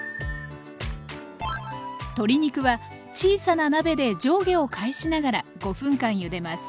鶏肉は小さな鍋で上下を返しながら５分間ゆでます。